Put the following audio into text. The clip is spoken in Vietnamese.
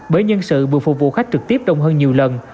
bởi nhân sự vừa phục vụ khách trực tiếp đông hơn nhiều lần